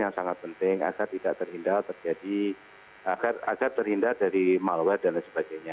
yang sangat penting agar tidak terhindar terjadi agar terhindar dari malware dan lain sebagainya